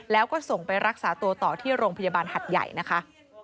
แล้วก็ส่งไปรักษาตัวต่อที่โรงพยาบาลหัดใหญ่นะคะ